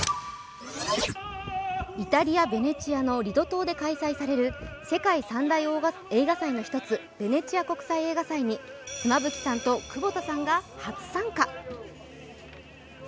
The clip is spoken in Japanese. イタリア・ヴェネチアのリド島で開催される世界三大映画祭の１つ、ベネチア国際映画祭に妻夫木さんと窪田さんが初参加。